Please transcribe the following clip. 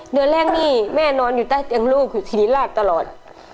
เดือนแรกนี่แม่นอนอยู่ใต้เตียงลูกอยู่สิริราชตลอด